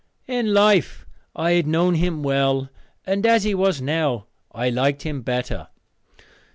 In life I had known him well, and as he was now I liked him better.